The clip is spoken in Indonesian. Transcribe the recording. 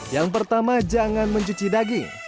yang pertama jangan mencuci daging